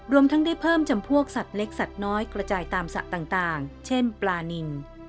รวมทั้งได้เพิ่มจำพวกสัตว์เล็กสัตว์น้อยกระจายตามสระต่างเช่นปลานิน